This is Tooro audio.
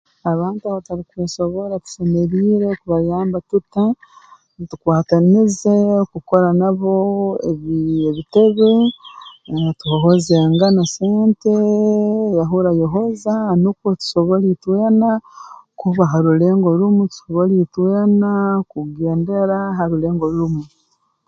Abantu abatarukwesobora tusemeriire kubayamba tuta ntukwatanize kukora nabo ebii ebitebe ah twohozengana sentee yahura yohoza nukwe tusobole itwena kuba ha rulengo rumu tusobole itwena kugendera ha rulengo rumu